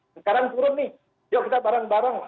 sekarang turun nih yuk kita bareng bareng